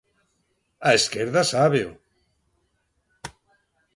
A esquerda sábeo.